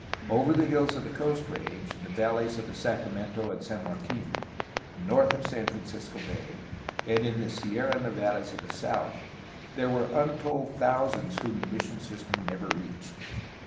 Over the hills of the Coast Range, in the valleys of the Sacramento and San Joaquin, north of San Francisco Bay, and in the Sierra Nevadas of the south there were untold thousands whom the mission system never reached.